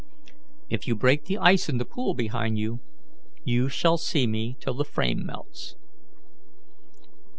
"If you break the ice in the pool behind you, you shall see me till the frame melts."